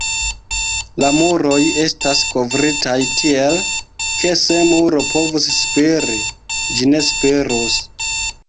La muroj estas kovritaj tiel, ke se muro povus spiri, ĝi ne spirus.